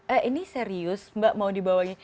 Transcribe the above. eh ini serius mbak mau dibawanya